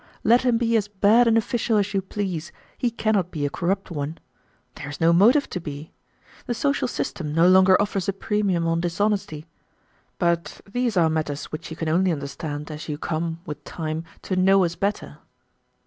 Let him be as bad an official as you please, he cannot be a corrupt one. There is no motive to be. The social system no longer offers a premium on dishonesty. But these are matters which you can only understand as you come, with time, to know us better."